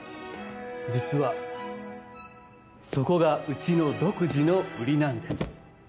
実はそこがうちの独自の売りなんです